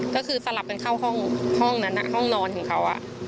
ก็คือสลับกันเข้าห้องนั้นห้องนอนของเขา